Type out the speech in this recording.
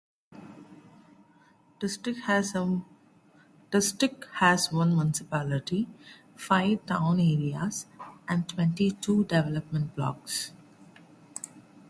District has one municipality, five town areas and twenty two development blocks.